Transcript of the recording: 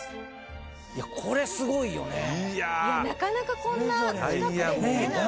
なかなかこんな近くで見れない。